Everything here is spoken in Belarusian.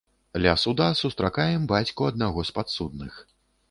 Ля суда сустракаем бацьку аднаго з падсудных.